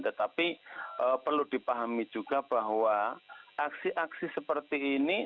tetapi perlu dipahami juga bahwa aksi aksi seperti ini